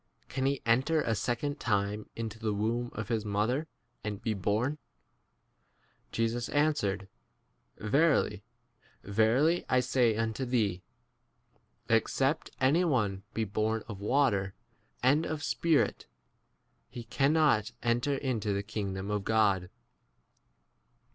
can he enter a second time into the womb of his mother and „ 5 be born ? Jesus answered, Verily, verily, I say unto thee, Except any one be born of water and of Spirit, he cannot enter into the 6 kingdom of God.